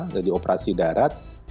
jadi operasi darat